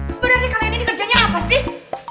sebenernya kalian ini kerjanya apa sih